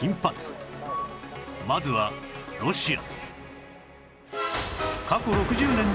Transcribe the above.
まずはロシア